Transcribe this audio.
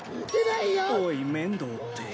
おい面堂って。